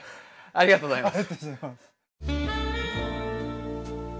ありがとうございます。